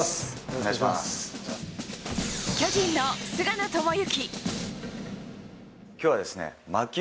巨人の菅野智之。